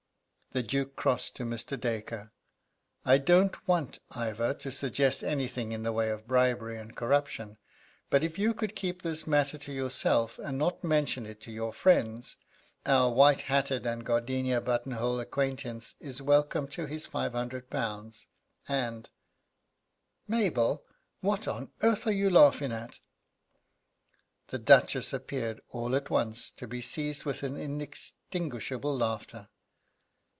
The Duke crossed to Mr. Dacre. "I don't want, Ivor, to suggest anything in the way of bribery and corruption, but if you could keep this matter to yourself, and not mention it to your friends, our white hatted and gardenia button holed acquaintance is welcome to his five hundred pounds, and Mabel, what on earth are you laughing at?" The Duchess appeared, all at once, to be seized with inextinguishable laughter.